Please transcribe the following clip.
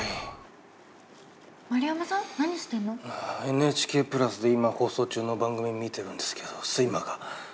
ＮＨＫプラスで今放送中の番組を見てるんですけど睡魔が。